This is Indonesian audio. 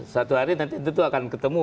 satu hari nanti tentu akan ketemu